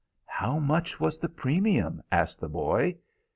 "How much was the premium?" asked the boy.